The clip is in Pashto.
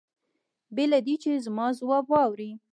بې له دې چې زما ځواب واوري.